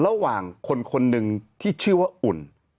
ระหว่างคนนึงที่ชื่ออุ่น